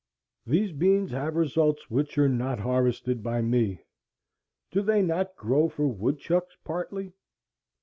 These beans have results which are not harvested by me. Do they not grow for woodchucks partly?